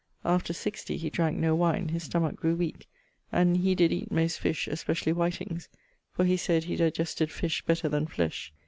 After sixty he dranke no wine, his stomach grew weak, and he did eate most fish, especially whitings, for he sayd he digested fish better then flesh.